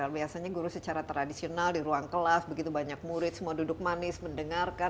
biasanya guru secara tradisional di ruang kelas begitu banyak murid semua duduk manis mendengarkan